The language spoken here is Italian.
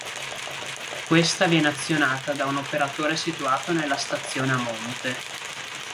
Questa viene azionata da un operatore situato nella stazione a monte.